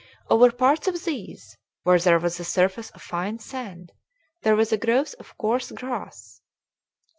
Over parts of these, where there was a surface of fine sand, there was a growth of coarse grass.